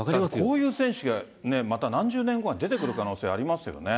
こういう選手がまた何十年後かに出てくる可能性ありますよね。